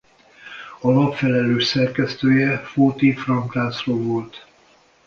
A lap felelős szerkesztője Fóthi-Frank László volt.